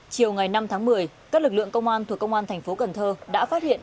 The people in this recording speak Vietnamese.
chiều ngày năm tháng một mươi các lực lượng công an thuộc công an thành phố cần thơ đã phát hiện